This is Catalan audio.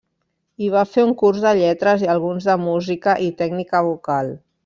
Hi va fer un curs de lletres i alguns de música i tècnica vocal.